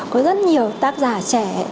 có rất nhiều tác giả trẻ